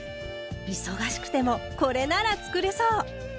忙しくてもこれなら作れそう！